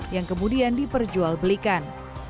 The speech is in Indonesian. yang kemudian diperjualbelikan